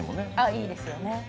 いいですよね。